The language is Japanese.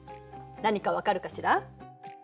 何か分かるかしら？